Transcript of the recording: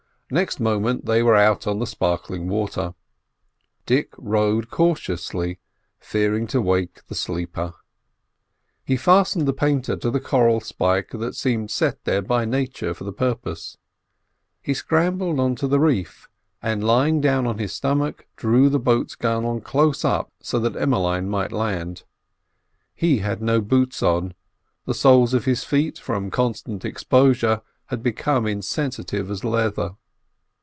Next moment they were out on the sparkling water. Dick rowed cautiously, fearing to wake the sleeper. He fastened the painter to the coral spike that seemed set there by nature for the purpose. He scrambled on to the reef, and lying down on his stomach drew the boat's gunwale close up so that Emmeline might land. He had no boots on; the soles of his feet, from constant exposure, had become insensitive as leather.